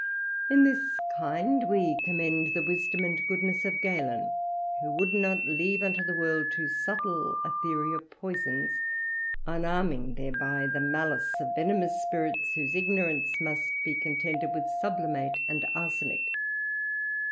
In this kind we commend the wisdom and goodness of Galen, who would not leave unto the world too subtle a theory of poisons; unarming thereby the malice of venomous spirits, whose ignorance must be contented with sublimate and arsenic.